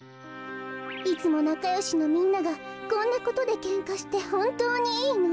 いつもなかよしのみんながこんなことでけんかしてほんとうにいいの？